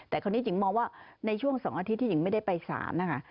แต่คราวนี้หญิงมองว่าในช่วง๒อาทิตยที่หญิงไม่ได้ไปสารนะคะ